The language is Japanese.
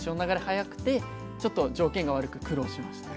速くてちょっと条件が悪く苦労しました。